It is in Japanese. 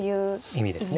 意味合いですね。